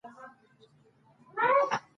نثر مسجع تړلی او موزون کلام دی.